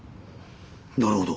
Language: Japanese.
なるほど。